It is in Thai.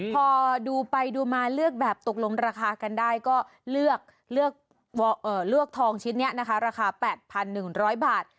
พอดูไปดูมาเลือกแบบตกลงราคากันได้ก็เลือกทองชิ้นนี้นะคะราคา๘๑๐๐บาท